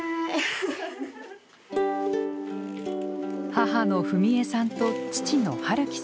母の史恵さんと父の晴樹さん。